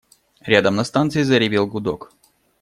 Рядом на станции заревел гудок.